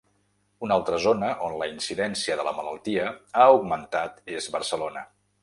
Una altra zona on la incidència de la malaltia ha augmentat és Barcelona.